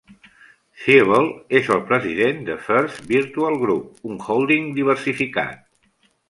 Siebel és el president de First Virtual Group, un hòlding diversificat.